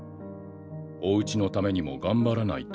おうちのためにも頑張らないと。